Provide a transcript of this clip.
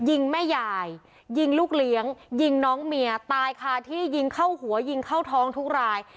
ยิงแม่ยายยิงลูกเลี้ยงยิงน้องเมียตายคาที่ยิงเข้าหัวยิงเข้าท้องทุกราย